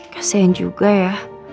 kasian juga ya